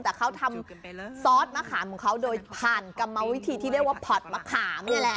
แต่เขาทำซอสมะขามของเขาโดยผ่านกรรมวิธีที่เรียกว่าผัดมะขามนี่แหละ